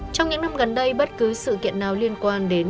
trong những năm gần đây bất cứ sự kiện nào liên quan đến đối tượng